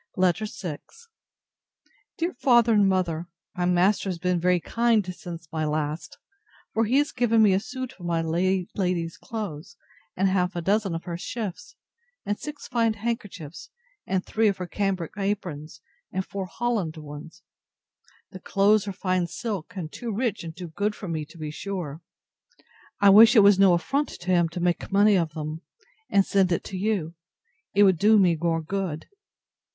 LETTER VI DEAR FATHER AND MOTHER, My master has been very kind since my last; for he has given me a suit of my late lady's clothes, and half a dozen of her shifts, and six fine handkerchiefs, and three of her cambric aprons, and four holland ones. The clothes are fine silk, and too rich and too good for me, to be sure. I wish it was no affront to him to make money of them, and send it to you: it would do me more good.